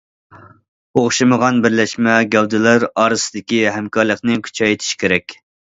ئوخشىمىغان بىرلەشمە گەۋدىلەر ئارىسىدىكى ھەمكارلىقنى كۈچەيتىش كېرەك.